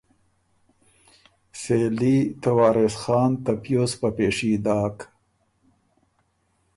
سېلي ته وارث خان ته پیوز په پېشي داک۔